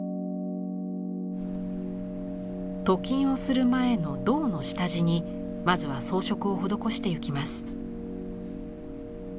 鍍金をする前の銅の下地にまずは装飾を施してゆきます。